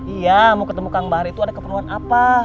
iya mau ketemu kang bahar itu ada keperluan apa